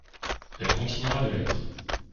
Elle continuera de l’être.